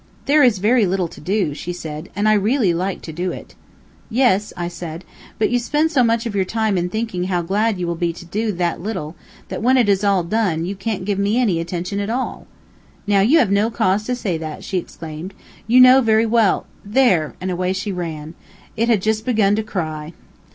"There is very little to do," she said, "and I really like to do it." "Yes," said I, "but you spend so much of your time in thinking how glad you will be to do that little, when it is to be done, that you can't give me any attention, at all." "Now you have no cause to say that," she exclaimed. "You know very well , there!" and away she ran. It had just begun to cry!